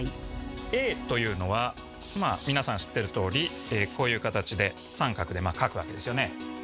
「Ａ」というのは皆さん知ってるとおりこういう形で３画でまあ書くわけですよね。